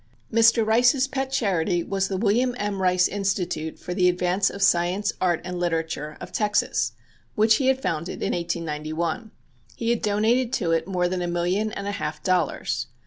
Mr. Rice's pet charity was the William M. Rice Institute "for the advance of science, art and literature," of Texas, which he had founded in 1891. He had donated to it more than a million and a half dollars.